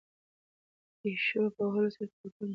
د تېشو په وهلو سره ترکاڼ د لرګي نوې دروازه جوړوي.